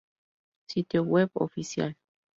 Sitio web oficial.